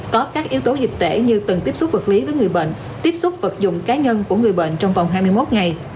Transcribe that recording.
có các yếu tố dịch tễ như từng tiếp xúc vật lý với người bệnh tiếp xúc vật dụng cá nhân của người bệnh trong vòng hai mươi một ngày